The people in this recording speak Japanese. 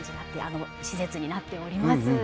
施設になっております。